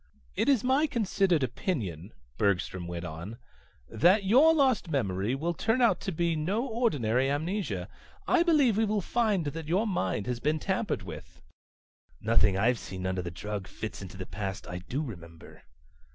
"It is my considered opinion," Bergstrom went on, "that your lost memory will turn out to be no ordinary amnesia. I believe we will find that your mind has been tampered with." "Nothing I've seen under the drug fits into the past I do remember."